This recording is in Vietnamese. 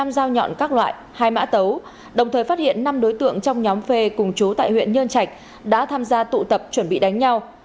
một mươi dao nhọn các loại hai mã tấu đồng thời phát hiện năm đối tượng trong nhóm phê cùng chú tại huyện nhơn trạch đã tham gia tụ tập chuẩn bị đánh nhau